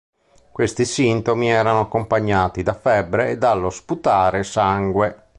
Questi sintomi erano accompagnati da febbre e dallo sputare sangue.